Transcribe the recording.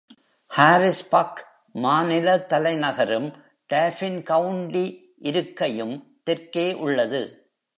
Harrisburg, மாநில தலைநகரும், டாபின் county இருக்கையும் தெற்கே உள்ளது.